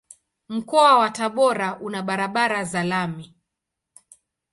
Mkoa wa Tabora una barabara za lami.